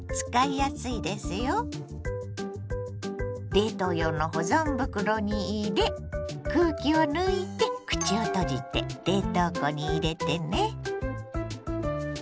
冷凍用の保存袋に入れ空気を抜いて口を閉じて冷凍庫に入れてね。